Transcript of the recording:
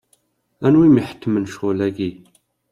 Anwi i m-iḥettmen ccɣel-agi?